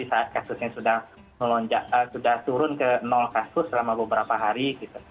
karena kasusnya sudah turun ke nol kasus selama beberapa hari